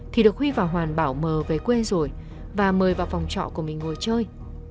thì được huy và hoàn bảo mờ về quê rồi và mời vào phòng trọ của mình ngồi chơi